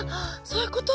そういうこと？